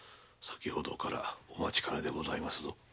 先ほどからお待ちかねでございますぞ。